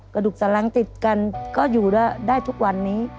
กระดูกสลังติดกันก็อยู่ได้ทุกวันนี้